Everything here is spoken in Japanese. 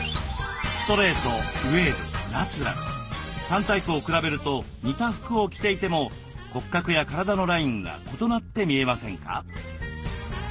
３タイプを比べると似た服を着ていても骨格や体のラインが異なって見えませんか？